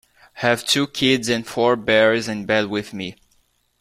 Have two kids and four bears in bed with me.